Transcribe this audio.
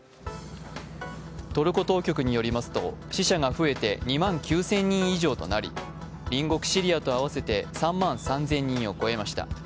トルコ当局によりますと死者が増えて２万９０００人以上となり隣国・シリアと合わせて３万３０００人を超えました。